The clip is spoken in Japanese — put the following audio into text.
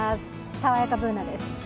爽やかＢｏｏｎａです。